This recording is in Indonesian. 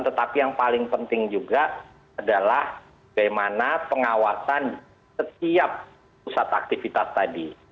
tetapi yang paling penting juga adalah bagaimana pengawasan setiap pusat aktivitas tadi